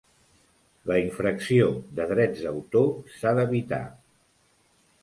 La infracció de drets d'autor s'ha d'evitar.